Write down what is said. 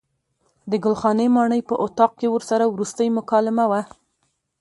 د ګل خانې ماڼۍ په اطاق کې ورسره وروستۍ مکالمه وه.